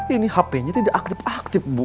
ini hpnya tidak aktif aktif bu